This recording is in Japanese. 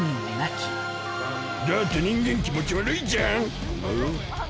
だって人間気持ち悪いじゃん。